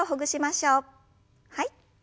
はい。